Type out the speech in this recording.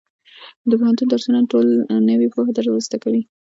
د پوهنتون درسونه تل نوې پوهه ورزده کوي.